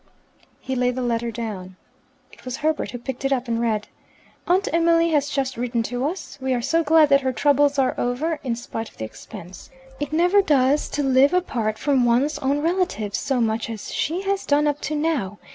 He laid the letter down. It was Herbert who picked it up, and read: "Aunt Emily has just written to us. We are so glad that her troubles are over, in spite of the expense. It never does to live apart from one's own relatives so much as she has done up to now.